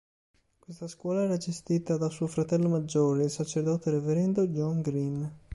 Questa scuola era gestita da suo fratello maggiore, il sacerdote Reverendo John Green.